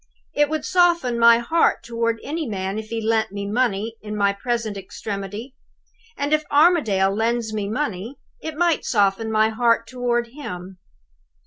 It would soften my heart toward any man if he lent me money in my present extremity; and, if Armadale lends me money, it might soften my heart toward him.